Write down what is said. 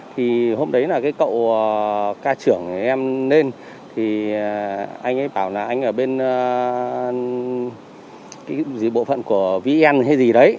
thì hôm đấy là cái cậu ca trưởng em lên thì anh ấy bảo là anh ở bên bộ phận của vn hay gì đấy